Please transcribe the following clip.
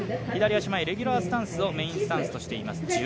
左足前、レギュラースタンスをメインスタンスとしています。